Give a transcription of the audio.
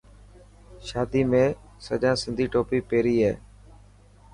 شادي ۾ سجان سنڌي ٽوپي پيرائي.